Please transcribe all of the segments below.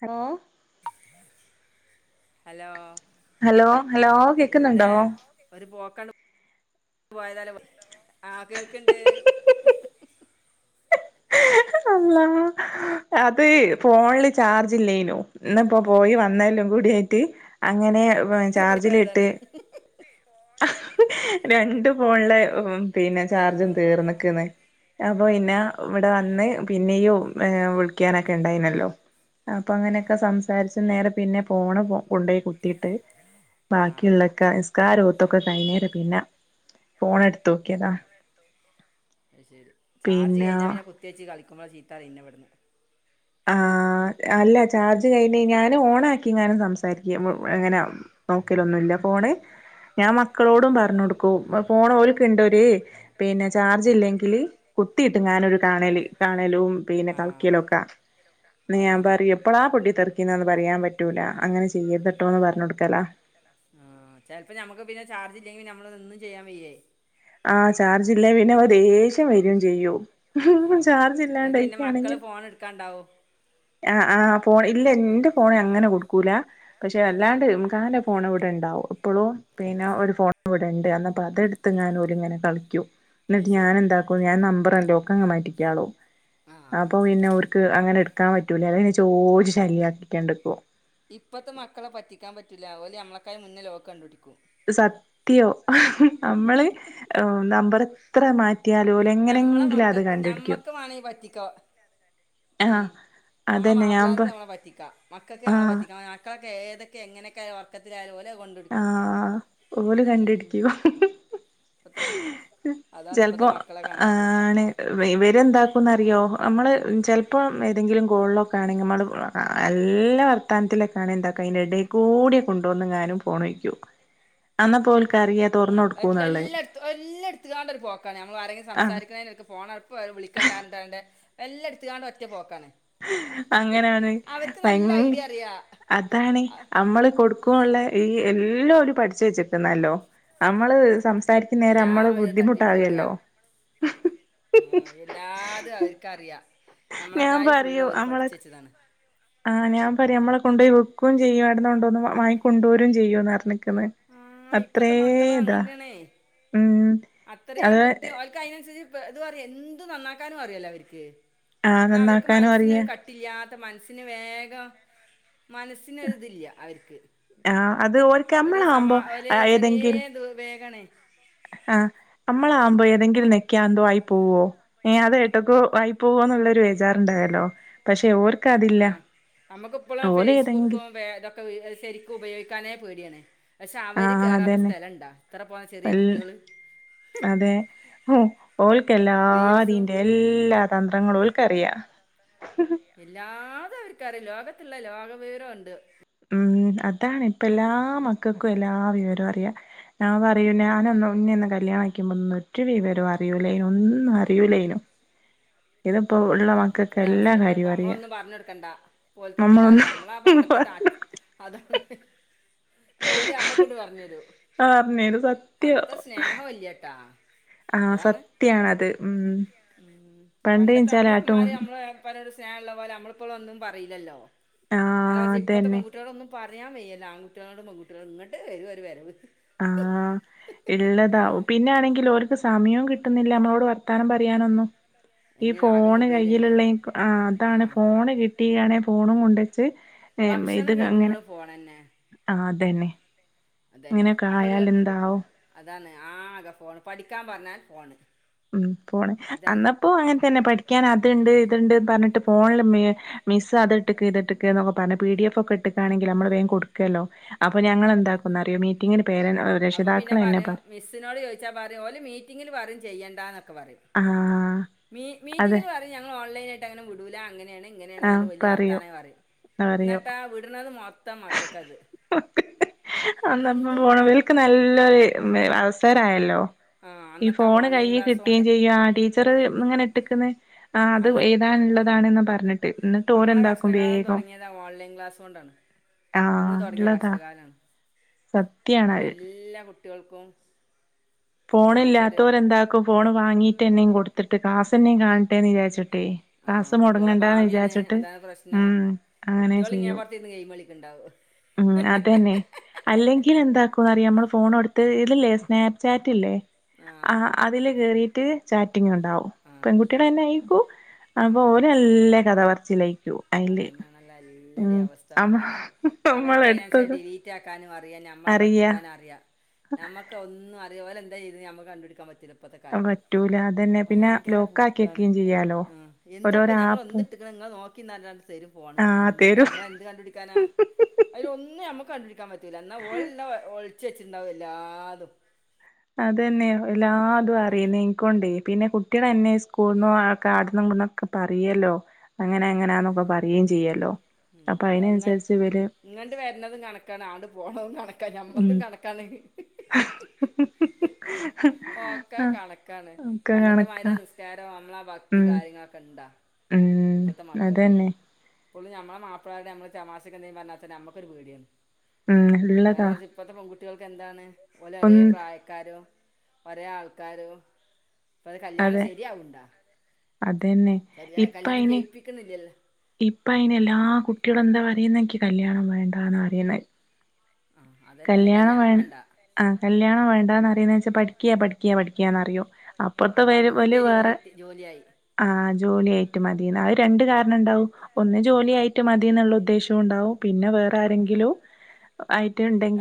Hello hello hello hello കേക്കുന്നുണ്ടോ? [unintelligible] [inaudible] ആഹ് കേൾക്കിണ്ട് അല്ലാഹ് അത് ഫോണിൽ ചാർജ് ഇല്ലേനു, ഇന്നിപ്പോ പോയി വന്നേ [unintelligible] അങ്ങനെ ഒരു പോയതാണ് ചാർജിലിട്ട് [inaudible] ആ രണ്ട് ഫോൺലും പിന്നെ ആ ചാർജും തീർന്നക്ന്ന് [unintelligible] പിന്നെ ഇവിടെ വന്ന് തന്നെ പിന്നെയും ഏ വിളിക്കാനൊക്കെ ഇണ്ടായിനല്ലോ അപ്പൊ അങ്ങനെയൊക്കെ സംസാരിച്ച് നേരെ പിന്നെ പോണ പോ കൊണ്ടോയി കുത്തിട്ട് ആ ബാക്കിയുള്ളക്ക നിസ്കാരോത്തു ക്കെകൈഞ്ഞേരെ പിന്നെ ഫോണടുത്തൊക്കിയതാ അത് പിന്നാ മ്മള ചീത്താ പറയും ഇന്നെ ഇവിടുന്ന് ആഹ അല്ല ചാർജ് കഴിഞ്ഞ ഞാന് ഓണാക്കിങ്ങാനും സംസാരിക്കും [unintelligible] നോക്കലൊന്നുല്ലാ ഫോണ് ഞാൻ ആ മക്കളോടും ആ പറഞ്ഞോടുക്കും ഫോൺ ഓരിക്കുണ്ടൊര് പിന്നെ ചാർജി ല്ലെങ്കി ല് കുത്തിയിറ്റിങ്ങനൊരു കാണല് കാണലും പിന്ന ആ കളിക്കിലോക്ക ന്ന് ഞാൻ അതാണ് പറയു എപ്പളാ പൊട്ടി തെറിക്കിന്നേന്ന് പറയാൻ പറ്റൂല അങ്ങനെ ചെയ്യര്ത്ട്ടോ ന്ന് പറഞ്ഞുകൊടുക്കാല ആ ചിലപ്പോ നമ്മുക്ക് പിന്നെ ചാർജ് ഇല്ലെങ്കി നമ്മളത് ഒന്നും ചെയ്യാൻ വയ്യേ ആഹ ചാർജില്ലെ പിന്നെ ദേഷ്യം വരയും ചെയ്യും [inaudible] ചാർജില്ല ങ്ങൾക്ക് ന്നെ മക്കള് ഫോണ് എടുക്കാണ്ടാവും ആഹ ആഹ ഫോൺ ഇല്ല ന്റെ ഫോൺ അങ്ങനെ കൊടുക്കൂല പക്ഷെ അല്ലാണ്ട് [unintelligible] ഫോൺ ഇവിടെ ണ്ടാവും എപ്പളും പിന്നെ ഒരു ഫോൺ ഇവിടെണ്ട് എന്ന അപ്പൊതെടുത്ത്ങ്ങാനും ഓര് ഇങ്ങനെ കളിയ്ക്കും അത് എന്നിട്ട് ഞാൻ ശരി എന്താക്കും ഞാൻ നമ്പറല ലോക്ക് അങ് മാറ്റികാളും ആ അപ്പൊ പിന്നെ ഓർക് അങ്ങനെ എടുക്കാൻ പറ്റൂല ങ്ങനെ ചോയിച്ചു ശല്യാക്കി കൊണ്ടീക്കും ഇപ്പത്തെ മക്കളെ പറ്റിക്കാൻ പറ്റൂല. ഓല് ഞമ്മളക്കാ മുന്നേ ലോക്ക് കണ്ട് പിടിക്കും സത്യോ നമ്മള് നമ്പർ എത്ര മാറ്റി നമ്മളെ മക്കക്ക് ഞമ്മക്ക് വേണ പറ്റിക്കോ ആഹ് ഉം നമ്മളെ അതന്നെ ഞാൻ മാപ്പളാർക് പ നമ്മളെ പറ്റിക്ക മക്കൾക്ക് നമ്മളെ ആഹ് പറ്റിക്ക [inaudible] ഏതൊക്കെ എങ്ങനൊക്കെ ഉർക്കത്തിലായാലും ഓല് ആആ ഓല് കണ്ടിടിക്കും [inaudible] [unintelligible] ഇപ്പത്തെ ചിലപ്പോ മക്കളെ കണക്ക് [unintelligible] ഇവര് എന്താക്കുംന്ന് അറിയോ അമ്മള് ചെല്പം ഏതെങ്കിലും കോളിലൊക്കെ ആണെങ്കിനമ്മള് നല്ല വർത്താനത്തിലൊക്കെ ആണെങ്കി എന്താക്കു അതിൻ്റെ ഇടെക്കൂടെ കൂടി കൊണ്ടുവന്നങ്ങാനും ഫോൺ വക്കൂ അന്നപ്പോ ഓൾ ആ് എല്ല എല്ലാടുത്ത് എല്ലാടുത്തോ [unintelligible] ണ്ടരുപോക്കാണ് നമ്മൾ ആരെങ്കിലും ആഹ് സംസാരിക്കുന്നേനെടയ്ക്ക് ഫോൺ [unintelligible] [unintelligible] എല്ലാ എടുത്തിട്ടാണ്ട് ഒറ്റ പോക്കാണ് അങ്ങനാണ് അവർക്ക് ബയി നല്ല ഐഡിയ അറിയാ അതാണ് അമ്മള് കൊടുകൊള്ളാ ഈ എല്ലോരും പഠിച്ചു വെച്ചിക്കുന്നല്ലോ നമ്മള് സംസാരിക്കുന്നരെ നമ്മള് ബുദ്ധിമുട്ടാവുകല്ലോ ആ എല്ലാര്തും അവർക്കറിയാം ഞാൻ നമ്മളൊക്കായിം ഫുൾ ഓല് പഠിച് വെച്ചതാണ് ആഞാൻ പറയാ നമ്മളെ കൊണ്ട് പോയി വെക്കും ചെയ്യുംവിടന്ന് കൊണ്ടോന്ന് വങ്ങി കൊണ്ടുരും ചെയുന്ന് പറഞ്ഞിക്ക് ആഹ് ഇപ്പത്തെ മക്കള് അത്രേതാ അങ്ങനെയാണേ ഉം അത്രയും അത് ബുദ്ധി ഒലക് അയിനനുസരിച്ച് ഇത് എന്തു നന്നാക്കാനും അറിയല്ലോ അവർക്ക് ആ എന്ന അവർക്ക് നന്നാക്കാനും മനസിന് അറിയ ഒരു കട്ടില്ലാത്ത മനസിന് വേഗം മനസ്സിനൊരിതില്ല അവര്ക്ക് ആ അത് ഓര്ക്ക് ഒരു സമാ നമ്മളാവുമ്പോ ഒരു ചെറിയ ഏതെങ്കിലും ദ ബെഖാന്നെ ആ നമ്മളാവുമ്പോ ഏതെങ്കിലും നെക്ക്കിയ ന്തോ ആയി പോവോ എ അതിയയിട്ടക്കെ ആയി പോകന്നുള്ളരു വേജാറുണ്ടായല്ലോ പക്ഷെ ഓർ ആ നമ്മുക്കിപ്പള ഫേസ്ബുക്കും ഏതെങ്കിലും [unintelligible] [unintelligible] ശരിക്കും ഉപയോഗിക്കാനേ പേടിയാണ് പക്ഷെ ആ അവര് കേറാത്ത അതന്നെ സ്ഥലംണ്ടാ ഇത്ര പോന്ന ചെറിയ വല്ല കുട്ടികള് അതെ ഹ റീൽസും ഓൾക്കെല്ലാതീന്റെ എല്ലാ തന്ത്രമ് ന്ത്ര ങ്ങളും ഓല്ക്കറിയ എല്ലാതും അവർക്കറിയ ലോകത്തുള്ള ലോക വിവരംണ്ട് ഉം അതാണ് ഇപ്പ എല്ലാ മക്കക്കും എല്ലാ വിവരവും അറിയാം ഞാൻ പറയൂ ഞാനന്ന് ഇന്നെന്ന് കല്യാണ കൈ ക്കിയ്പോ ഒന്നും ഒരു വിവരം അറിയുലനോ ഒന്നും അറിയുല്ലേനു ആ ഇപ്പത്തെ അവസ്ഥൊക്കെപ്പ കാര്യവും അറിയാ നമ്മളൊന്നും പറഞ്ഞ കൊടുക്കണ്ടാ ഓലക്ക് ഇങ്ങട്ട് അറിയാം നമ്മള നമ്മളൊന്നും പണ്ടത്തെ [unintelligible] അതാണ് ഇപ്പ ഓല് ഞമ്മക് ഇട്ട് പറഞ്ഞരു പറഞ്ഞേരും പണ്ടത്തെ സ്നേഹം ഇല്ലട്ടാ ആസത്യണത് ഉ ഉം പണ്ടത്തെ നമ്മളുമ്മാര് നമ്മള് പല ഒരു സ്നേഹം ഉള്ള പോലെ നമ്മളിപ്പോഴും ഒന്നും പറയില്ലല്ലോ നേരെ ആഹ് മറിച് ഇപ്പത്തെ അതന്നെ പെൺകുട്ടികളൊടോന്നും പറയാൻ വയ്യല്ല ആൺകട്ടികളോടും പെകുട്ടികളോടും ഇങ്ങോട്ട് വരുംരു വരവ് ആഹ ഇള്ളതാവും പിന്നെ ആണെങ്കിൽ ഓര്ക് സമയവും കിട്ടുന്നില്ല നമ്മളോട് വർത്താനം പറയാനൊന്നും ഈ അയിന് ആകെ ഫോണ് മൊബൈലല്ലേ കയ്യിലുള്ളെ ആ അതാണ് ഫോണ് കിട്ടിയണെ ഫോണും കൊണ്ട് ച്ച് ഇത് ഭക്ഷണം അങ്ങനെ കഴിക്കുമ്പളും ഫോണെന്നെ ആ അതന്നെ അതന്നെ ഇങ്ങനെയൊക്കെ അപ്പൊ ര് ആയാലെന്താവും അതാണ് ആകെ ഫോണ് പഠിക്കാൻ പർഞ്ഞാ ഫോണ് ഉം ഫോണ് ഇതാണ് അന്നപ്പോ അങ്ങൻ തന്നെ പഠിക്കാൻ അത്ണ്ട് ഇത്ണ്ട്ന്ന് പറഞ്ഞിട്ട് ഫോണില് മി മിസ്സ് അത്ട്ട്ക്ക് ഇത്ട്ട്ക്ക് എന്നൊക്കെ പറഞ്ഞ പി ഡി എഫ് ഒക്കെ ഇട്ടക്കയാണെങ്കിൽ നമ്മള് വേം കൊടുക്കുവല്ലോ അപ്പൊ ഞമ്മള് എന്താക്കുന്നറിയോ മീറ്റിങ്ങിന് പേര അപ്പൊ പിന്നെ രക്ഷിതാക്കളെന്നെ പറിം പറയും മിസ്സിനോട് ചോയ്ച്ചാ പറിം ഓല് മീറ്റിങ്ങില് പറിം ചെയ്യണ്ടാന്ന് ന്നൊക്കെ പറിം ആ മീ അതെ മീറ്റിങ്ങില് പറിം ഞങ്ങള് ഓൺലൈനായിട്ട് അങ്ങനെ വിടൂല അങ്ങ നെണ് ആ ഇങ്ങനെണ്ന്നർഞ്ഞ് വെല്ല്യ പറയും വർത്താനം പറിം എന്നട്ട വിട്ന്നത് മൊ അന്ന എന്ത് [unintelligible] പോണ വെൽക്ക് നെ നല്ലൊരു മെ അവസരയല്ലോ ആ ഈ അന്നത്തെ ഫോണ് ഓൺലൈൻ കൈയ്യീ ക്ലാസ് കിട്ടേം കൊണ്ട് ചെയ്യും ആ ടീച്ചറ് ഇങ്ങനെ ഇട്ട്ക്ക്ണ് ആ അത് അന്ന് ഏതാണ്ള്ളതാണ് ന്ന് പർഞ്ഞിട്ട് ന്നട്ട് നമ്മളെ ഓരെന്താക്കും കഷ്ടകാലം വേഗം തുടങ്ങിയത് ആ ഓൺലൈൻ ക്ലാസ് കൊണ്ടാണ് ആ അന്ന് തൊടങ്ങ്യ കഷ്ടകാലാണ് സത്യാണത് എല്ലാ കുട്ട്യ ൾക്കും ഫോണ് ഇല്ലാത്തോരെന്താക്കും ഫോണ് വാങ്ങീ ട്ടെന്നെം കൊട്ത്തിട്ട് ക്ലാസെന്നെം കാണട്ടേന്ന് വിചാരിച്ചി ആ കുട്ട്യളെ ഭാ വ്യാണ് അതാണ് പ്രശ്നം ഉം അങ്ങനെ കുട്ട്യേള് ഇങ്ങേ ചെയ്യും പൊർത്തി ര്ന്ന് ഗെയിം മാളിക്ക്ണ്ടാവും [unintelligible] ഉം അതന്നെ അല്ലെങ്കിൽ എന്താ ക്കുഅറിയാം നമ്മൾ ഫോണൊട്ത്ത് ഇതില്ലേ സ്നാപ്ചാറ്റില്ലേ ആഹ് ആ അതില് കേറിട്ട് ട്ട് ങ്ങനെണ്ടാവും ആഹ് പെൺകുട്ട്യേ ളന്നായിരിക്കും അപ്പൊ ആഹ് ഓരല്ല കഥപർച്ചിലായ്ക്കൂ അയില് അതന്നെയാണല്ലോ എല്ലരേം അവസ്ഥ ഉം മോളെ അവർക്ക് അയ്നൻസ നമ്മളെടുത്തത് ഡിലീറ്റാക്കാനും അറിയാം ഞമ്മളെ അറിയ പറ്റിക്കാനും അറിയാം നമ്മക്കൊന്നും അറിയൂല്ലെന്ത ചെയ്യുന്നെ നമ്മക്ക് കണ്ടുപിടിക്കാൻ പറ്റില്ലൊ പറ്റൂല അതന്നെ പിന്നെ ഭയങ്കര ലോക്ക് ആക്കി ബുധാണ് വെക്കുകയും ചെയ്യാലോ ആഹ് എന്താപ്പ ഓരോരോ ഞങ്ങൾ ആപ്പും എന്തിട്ടെക്കണെ നിങ്ങളെ നോക്കില്ലാണ്ട് തരും ഫോണ് ആ എന്ത് തരും ഞമ്മള് എന്ത് കണ്ടുപിക്കാനാ അതിൽ ഒന്നും ഞമ്മക്ക് കണ്ടുപിടിക്കാൻ പറ്റ പറ്റൂല എന്നാ ഓൽ എല്ലാം ഒളിച്ച് വെച്ചിണ്ടവും എല്ലാതും അത് തന്നെയോ എല്ലാതും അറിയുന്നെക്കൊണ്ട് പിന്നെ കുട്ടിയാളെന്നെ സ്കൂൾന്നും ആഡ്ന്നും ഇവട്ന്നും ഒ ഒക്കെ പറിയുവല്ലോ അങ്ങനഇങ്ങനാന്നൊക്കെ പറിയെം ചെയ്യൂല്ലോ ഞങ്ങ ഇങ്ങട്ട് വരണതും കണക്കാണ് അങ്ങട് പോണതും കണ ക്ക ഉം ഞമ്മക്കും കണക്കാണ് ഓക്കെ ആ കണക്കാണ് ഒക്കെ കണക്കാ പണ്ടത്തെമാതിരി നിസ്കാരം നമ്മളാഭക്തി ഉം കാര്യങ്ങളൊക്കെ ഇണ്ടാ ഉം ഇപ്പത്തെ മക്കക്ക് അതന്നെ പുള്ളി ഞമ്മള് മാപ്പിളമരുടെ ഞമ്മള് തമാശക്കന്തെക്കിലും പറഞ്ഞാ തന്നെ നമ്മകൊരു പേടിയാ ഉം ഉള്ളതാ കുട്ടിയൾക്ക് എന്താണ് പോലെ ഒരേ പ്രായക്കാരും ഒരേ ആൾക്കാരും അപ്പാ അത് കല്യാണം അതെ ശരിയാവുണ്ടാ അതന്നെ ശരിയാ ഇപ്പ കല്യാണം ഇനി കഴിപ്പിക്കുന്നില്ലല്ലോ ഇപ്പ അയിന് എല്ലാ കുട്ടികളും എന്താ പറയുന്നെനിക്ക് കല്യാണം വേണ്ടന്നാ പറയുന്നെ. ആ അതന്നെയാണ് കല്യാണം വേ വേണ്ട ആഹ് കല്യാണം വേണ്ടന്നറിയുന്നെച്ചാ പഠിക്കിയ പഠിക്കിയ പഠിക്കുന്നറിയൂ. അപ്പറത്തെ പേര് പോല പഠിപ്പിട്ടിയ വേറെ ജോലി ജോലിയായി ആഹ് പ ജോലിയായിട്ട് മതിന്ന് ഒരു രണ്ട് കാരണം ഉണ്ടാവും ഒന്ന് ജോലിയായിട്ട് മതി എന്നുള്ള ഉദ്ദേശം ഉണ്ടാവും പിന്നെ വേറെ ആരെങ്കിലും ആ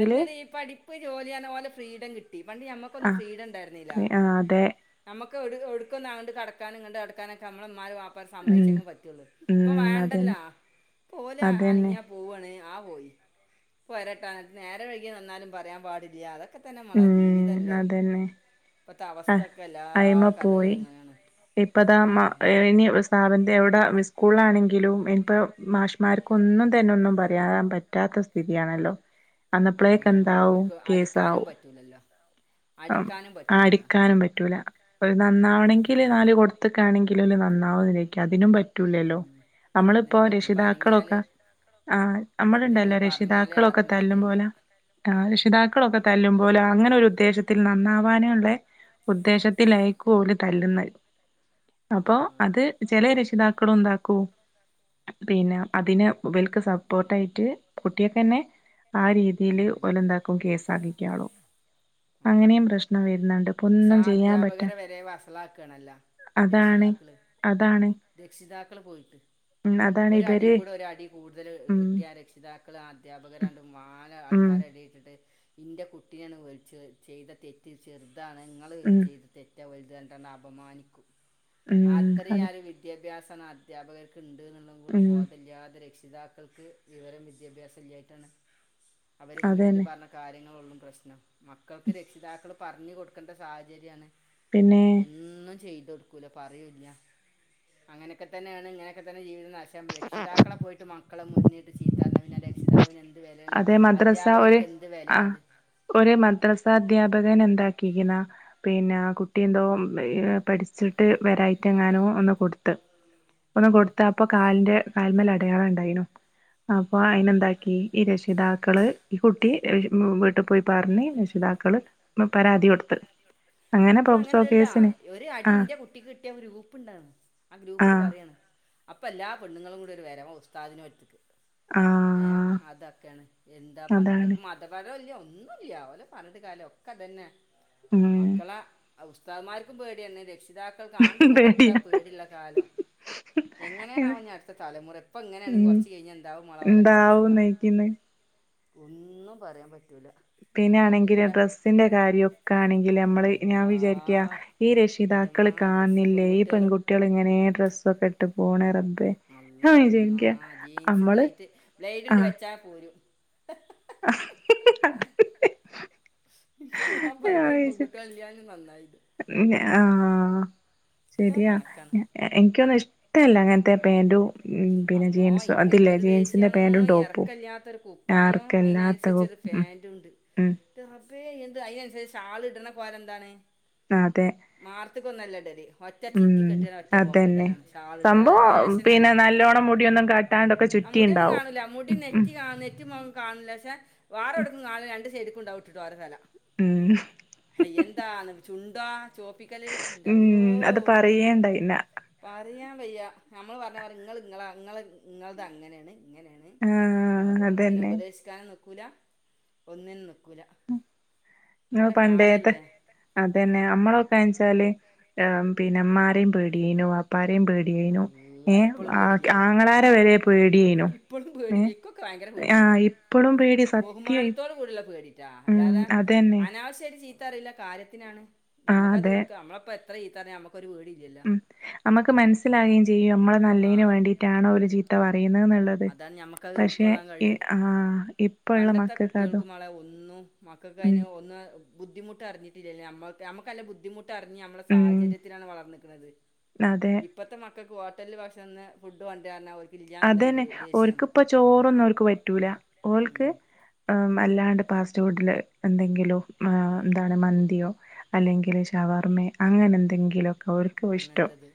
അല്ലാതി ഈ പഠിപ്പ് ജോലിയാന്നപോലെ ഫ്രീഡം കിട്ടി പണ്ട് ആ ഞമ്മക്കൊന്നും ഫ്രീഡാവിണ്ടാരുന്നില്ല ആ അതെ നമ്മ ഒക്കെ ഒടു ഒടുക്കുന്നണ്ട് കടക്കാനും കണ്ട് കടക്കാനൊക്കെ നമ്മൾമ്മാര് വാ ഇപ്പോ ഉം സമ്മയിച്ചങ്ങു പറ്റുള്ളൂ ഇപ്പ ഉം അതന്നെ വേണ്ടല്ലോ പോലെ അതന്നെ ആ പോയി പോരട്ടാ നേരെവൈകിവന്നാലും പറയാൻ പാടില്ല അതൊ- ക്കെ തന്നെ മൊളെ ഉം ജീവിതല്ലേ അതന്നെ ഇപ്പത്തെ അഹ് അവസ്ഥാക്കെ എല്ലാ കഥകളും ഇങ്ങനെയാണ് ഇപ്പതാമ്മ ഉം. ഇനി സ്ഥാപന്തി എവിടെ സ്കൂളിലാണെങ്കിലും ഇനിപ്പോ മാഷ്മാർക്കൊന്നും തന്നെ ഒന്നും പറയാൻ പറ്റാത്ത സ്ഥിതിയാണല്ലോ അന്നപളെക്കെന്താവും കേസാവും അല്ല. അടിക്കാനും പറ്റൂല ഒരു നന്നാവണെങ്കില് നാല് കൊടുത്ത്ക്കാണെങ്കിൽ [unintelligible] നന്നാവുന്നേക്കും അതിനും പറ്റൂലല്ലോ ഉം നമ്മളിപ്പോ അതിനും പറ്റില്ല ഇപ്പ അനങ്ങിയാല് രക്ഷിതാക്കളൊക്കെ. ആഹ് നമ്മളിണ്ടല്ലോ എന്തെങ്കിലും പറഞ്ഞാല് രക്ഷിതാക്കളൊക്കെ ആത്മഹത്യ തല്ലും ചെയ്യാ പോലെ ആഹ് രക്ഷിതാക്കളൊക്കെ തല്ലും ലാ അങ്ങനെ ഒരു ഉദ്ദേശത്തിൽ നന്നാവാനുള്ളെ ഉദ്ദേശത്തിലായിക്കൊല് തല്ലുന്നത് അപ്പൊ തല്ലുന്നത് അത് ചില രക്ഷിതാക്കളും എന്താക്കും പി പിന്ന അതിന് ഇവൽക്ക് സപ്പോർട്ടായിട്ട് കുട്ടിയെക്കന്നെ ആ രീതില് ആര് ഓലേന്താകും കേസാക്കിക്ക്യോളും അങ്ങനെയും പ്രശ്നം വരുന്നോണ്ട് ഇപ്പൊ പക്ഷെ ഒന്നും ആ ചെയ്യാൻ പറ്റാ അധ്യാപകരെ വരെ വഷളാക്കാണല്ല രക്ഷിതാക്കള് രക്ഷിതാക്കള് പോയിട്ട് ഉം അതാണ് ഒരു അടി ഇവര് കൂടെ ഒരു അടി കൂടുതല് ഉം കിട്ടിയാ രക്ഷിതാക്കൾ അധ്യാപകരാണ്ടും വാ- ഉം ആൾക്കാരെ എടെ ഇട്ടിട്ട് ഇന്റെ കുട്ടിയാണ് വിളിച്ച് ചെയ്ത തെറ്റ് ചെറു താണ് നിങ്ങള് ഉം ചെയ്ത തെറ്റാ വലുതാ പറഞ്ഞിട്ടന്ന് അപമാനിക്കും ഉം അത്രെയേ ആ അതെ ഒരു വിദ്യാഭ്യാസം അധ്യാപകർക്കിണ്ട്ന്നുള്ളാംകൂടി ഉം ബോധല്യതേ രക്ഷ് പിതാക്കൾക്ക് വിവരം വിദ്യാഭ്യാസം ഇല്ല്യയിട്ടാണ് അവര് വീട്ടില് അതന്നെ പറഞ്ഞ കാര്യങ്ങ [unintelligible] പ്രശ്നം മക്കൾക്ക് രക്ഷിതാക്കള് പറഞ്ഞു കൊടുക്കേണ്ട സാഹചര്യാണ് പിന്നെ ഒന്നും ചെയ് തോടുക്കൂല പറയും ഇല്ല അങ്ങനൊക്കെതന്നെയാണ് ഇങ്ങനെയൊക്കെ തന്നെ ജീവിതം നഷ് [unintelligible] രക്ഷിതാക്കളെ പോയിട്ട് മക്കളെ മൂന്നിട്ട് ചീത്തറഞ്ഞ പിന്നെ രക്ഷിതാവിന് എന്ത് വിലയില്ല അതെ മദ്രസ ഒരു അധ്യാപകൻക്ക് എന്ത് ആഹ് വിലയുള്ളത് ഒരു മദ്രസ അദ്ധ്യാപകന് എന്താക്കിക്ക്ണാ പിന്നെ കുട്ട്യന്തോ പഠിച്ചിട്ട് വരായിട്ടെങ്ങാനോ ഒന്ന് കൊട്ത്ത് ഒന്ന് ഉം കൊടുത്ത അപ്പൊ കാലിന്റെ കാല്മേൽ അടയാളണ്ടായിനു അപ്പൊ ഉം അയ്‌നെന്താക്കി രക്ഷിതാക്കള് ഈ കുട്ടി വീട്ടി പോയി പർഞ്ഞ് രക്ഷിതാക്കള് പരാതി കൊടുത്ത് അങ്ങനെ പോക്സോ ഇപ്പളങ്ങനെല്ലല്ലാ കേസിന് ഒരു അടി ആഹ് ഇന്റെ കുട്ടിക്ക് കിട്ട്യാ ഗ്രൂപ്പ് ണ്ട [unintelligible] ആ ഗ്രൂപ്പില് ആഹ് പറയാണ് അപ്പല്ലാ പെണ്ണ്ങ്ങളുംകൂടി ഒരു വരവാ ഉസ്താദിൻ്റെ ട്ത്ത്ക്ക് ഏ ആഹ് അതക്കെണ് എന്താ പണ്ടത്തെ അതാണ് പ്പോ മതപഠനൂല്ല ഒ ന്നുല്ല ഓലെ പർഞ്ഞിട്ട് കാര്യല്ല ഒക്കെതെന്നെ ഉം അഅ് ഉസ്താഅ്മാര്ക്കും പേട്യാ ണ് രക്ഷിതാക്കൾക്ക് ആണ്ടുഇങ്ങടൊക്കെ പേടിയാ പെടിള്ള കാലം എങ്ങനെണാവോ ഞ്അട്ത്ത തലമുറ ഇപ്പൊ ഇങ്ങനാണെങ്കിൽ ഉം കൊർച്ച് കഴിഞ്ഞ എന്താവും മോളെ ഒലക്കവസ്ഥ ഉ [unintelligible] ഒന്നും പറയാൻ പറ്റ പിന്നണെങ്കിലും ഡ്രസ്സിന്റെ കാര്യൊക്കണെങ്കി ലെമ്മൾ ഞാൻ അള്ളാ വിചാരിക്ക ഈ രക്ഷിതാക്കള് എന്റെമ്മാ കാണ് ഡ്രസ്സ് ണില്ലേ ഈ പെൺകുട്ടികള് പെൺകുട്ട്യേള്ങ്ങനെ ഡ്രസ്സ് കെട്ട് പോണെ റ അള്ളാന്റെ മ്മാ ജിൻസ് നമ്മള് ട്ടൈറ്റ് ബ്ലൈഡണ്ട് ആഹ് വെച്ച പോരും [unintelligible] ഞാ പറ്യാ ഇൻക്കൊന്നും പെൺകുട്ട്യോള്ല്ലാഞ്ഞെ നന്നായിന്ന് ശെരിയാ എനിക്കൊ [unintelligible] പ്പല്ലേ അങ്ങൻത്തെ പാന്റും പിന്നെ അള്ളാ ജീൻസ് എനിക്ക് അതില്ലേ എന്തൊരു ജീൻസിന്റെ പാന്റും ടോപ്പും പ്പയം ആർക്കല്ലാത്ത അയ്നൻസരിച്ചൊരു ഉം പാന്റുണ്ട് ഉം ൻ്റെ റ ബ്ബേ എന്ത് അയ്നൻസരിച്ച് ഷാളിട്ണെ കോലന്താണ് അതെ മാർത്ത്ക്കൊന്നല്ല ടല് ഒറ്റ ഉം ചിറ്റി കെട്ടി ഒറ്റ പോക്ക അതന്നെ ഇടലാണ് ഷാള്ട അ സംഭവം ഫേഷനാണ് പിന്നെ നല്ലോണം മുടിയൊന്നും കാട്ടാണ്ടൊക്കെ മുടിയൊന്നും ചുറ്റിണ്ടാവും കാണൂല മുടി ഉം നെറ്റി കാണ് നെറ്റി, മൊഖം കാണ് പഷേ വാറൊട്ന്ന് കാണൂല രണ്ട് സൈഡ് ക്ക്ണ്ടാവും ഇട്ടിട്ട് ഓരോ തല ഉം ചുണ്ടോ ചോപ്പിക്കല് ഉം ഇൻ്റള്ളോ ഉം അത് പറയേണ്ടയിന പറയാൻ വെയ്യ നമ്മൾ പർഞ്ഞാ പറിം നിങ്ങള് ഇങ്ങളാ നിങ്ങള് നിങ്ങൾതങ്ങനെണ് ആ അതന്നെ ക്കൂല ഒന്നിനും നിക്കൂല നി പണ്ടേത്തെ അതന്നെ നമ്മളൊക്കെയാച്ചാല് ആ പിന്നെ ഇമ്മനെയും പേടിനോ വാപ്പാനെയ പേടായിനു അല്ല ഏ ഇപ്പോഴും പേടില്ലേ ആങ്ങളാണെ വരെ പേടിയിനു ഇപ്പോഴും ഏ പേടിയില്ല ഇക്കൊക്കെ ഭയങ്കര പേടിയാണ് ആഹ് ഇപ്പോളും പേടി സത്യമായി ബഹുമാനത്തോട് കൂടിയുള്ള പേടിട്ടാ അല്ലാതെ അനാവശ്യട്ട് ചീത്ത പറയില്ല കാര്യത്തിനാണ് ആഹ് നമുക്കത് അതെ ഉക്ക നമ്മളപ്പ എത്ര ചീത്ത പറഞ്ഞാലും ഉം നമ്മുക്ക് മനസ്സിലാകുകയും ചെയ്യും നമ്മള ആ നല്ലതിന് വേണ്ടിയിട്ടാണോ ഒരു ചീത്ത പറഞ്ഞത് പറയുന്നന്നുള്ളത് അതാണ് നമുക്കത് പക്ഷെ ഉൾക്കൊള്ളാൻ കഴിയും ആ ഇപ്പ ഉള്ള പണ്ടത്തെ മക്കൾക്ക് അതോ കുട്ടികൾക്ക് മോളെ ഒന്നും മക്കൾക്ക് ഉം അയിന് ഒന്നും ബുദ്ധിമുട്ട് അറിഞ്ഞിട്ടില്ല നമ്മക്ക് അല്ലെ ബുദ്ധിമുട്ട് അറിഞ്ഞു നമ്മളെ ഉം സാഹചര്യത്തിലാണ് വളർന്നക്കുന്നത് അതെ ഇപ്പത്തെ മ ഹോട്ടലിൽ ഭക്ഷണം ഒന്ന് ഫുഡ്കൊണ്ടര അവർക്ക് ഇല്ലന്നുണ്ടെങ്കിൽ അവക്കിപ്പോ ചോറൊന്നും അവർക്ക് പറ്റൂല ഓൾക്ക് ഉം. അല്ലാണ്ട് ഫാസ്റ്റ് ഫുഡിൽ എന്തെങ്കിലോ എന്താണ് മന്തിയോ അല്ലെങ്കിൽ ഷവർമ്മ അങ്ങനെ എന്തെങ്കിലുംക്ക അങ്ങനത്തത്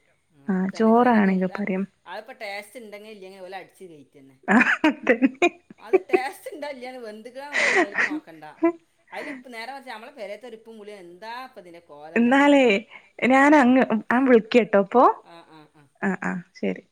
അ തന്നെക്ക ചോറാണെങ്കിൽ തന്നേക്ക പറയും അതിപ്പോ ടേസ്റ്റ് ണ്ടെ ഇല്ലങ്കി ഓല് അടിച്ച് ക ആഹ അത് ടേസ്റ്റ് ഇണ്ടോ ഇല്ലയോ വെന്തിക്കലോ ഒന്നും ഒരുക്ക് നോക്കണ്ട അതില ഇപ്പ നേരം മറിച്ചു നമ്മള [unintelligible] ഉപ്പും പുളി എന്താ ഇപ്പ ഇതില് എന്നാലേ ഞാനങ്ങ് ൻ വിളിക്കി കേട്ടോ അപ്പൊ ആ ആ ആഹ ആ ശരി